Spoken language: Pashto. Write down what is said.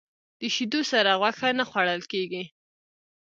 د شیدو سره غوښه نه خوړل کېږي.